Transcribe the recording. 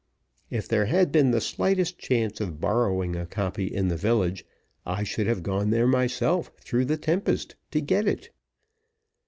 If there had been the slightest chance of borrowing a copy in the village, I should have gone there myself through the tempest to get it.